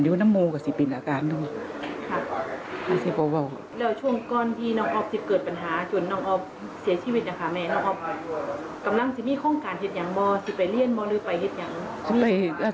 น้องออฟกำลังจะมีโครงการเห็นอย่างบ้างจะไปเลี่ยนบ้างหรือไปเห็นอย่างอื่น